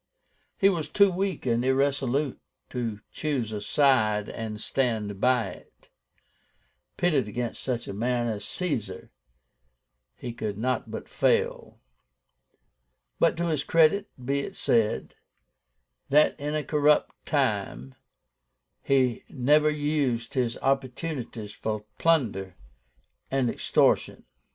He was too weak and irresolute to choose a side and stand by it. Pitted against such a man as Caesar, he could not but fail. But to his credit be it said, that in a corrupt time he never used his opportunities for plunder and extortion."